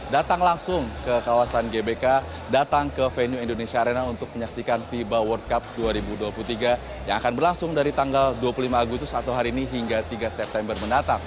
datang langsung ke kawasan gbk datang ke venue indonesia arena untuk menyaksikan fiba world cup dua ribu dua puluh tiga yang akan berlangsung dari tanggal dua puluh lima agustus atau hari ini hingga tiga september mendatang